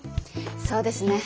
そうですね。